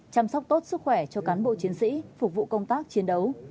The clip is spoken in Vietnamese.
chăm sóc tốt sức khỏe cho cán bộ chiến sĩ phục vụ công tác chiến đấu